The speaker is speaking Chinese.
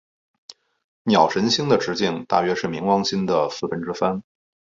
鸟神星的直径大约是冥王星的四分之三。